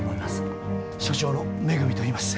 所長の恵といいます。